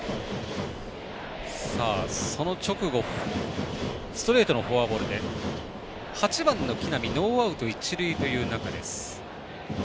その直後ストレートのフォアボールで８番の木浪ノーアウト、一塁という中。